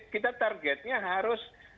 kita targetnya harus